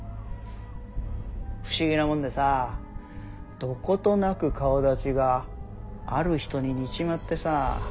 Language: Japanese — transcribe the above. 不思議なもんでさどことなく顔だちがある人に似ちまってさ。